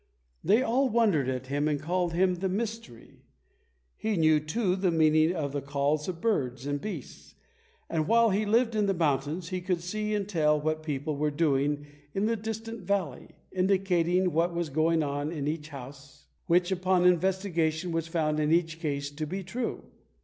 They all wondered at him and called him "The Mystery." He knew, too, the meaning of the calls of birds and beasts; and while he lived in the mountains he could see and tell what people were doing in the distant valley, indicating what was going on in each house, which, upon investigation, was found in each case to be true.